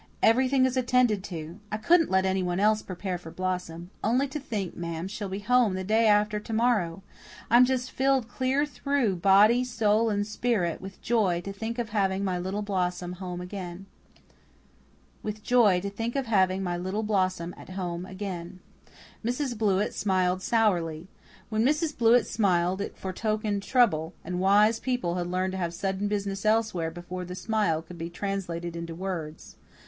Everything is attended to. I couldn't let anyone else prepare for Blossom. Only to think, ma'am, she'll be home the day after to morrow. I'm just filled clear through, body, soul, and spirit, with joy to think of having my little Blossom at home again." Mrs. Blewett smiled sourly. When Mrs. Blewett smiled it foretokened trouble, and wise people had learned to have sudden business elsewhere before the smile could be translated into words.